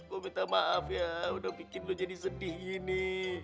gue minta maaf ya udah bikin lo jadi sedih ini